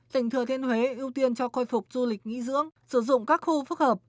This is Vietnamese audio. tỉnh thừa thiên huế ưu tiên cho khôi phục du lịch nghỉ dưỡng sử dụng các khu phức hợp